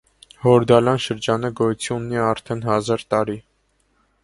Հորդալան շրջանը գոյություն ունի արդեն հազար տարի։